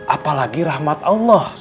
apalagi rahmat allah